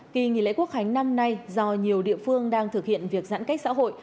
kỳ nghỉ lễ quốc khánh năm nay do nhiều địa phương đang thực hiện việc giãn cách xã hội